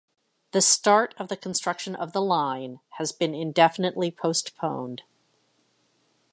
The start of the construction of the line has been indefinitely postponed.